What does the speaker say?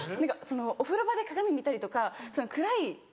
お風呂場で鏡見たりとか暗い。